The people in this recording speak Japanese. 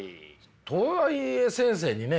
とはいえ先生にね。